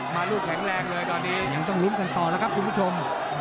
ลูกแข็งแรงเลยตอนนี้ยังต้องลุ้นกันต่อแล้วครับคุณผู้ชม